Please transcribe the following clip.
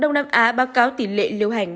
đông nam á báo cáo tỉ lệ liêu hành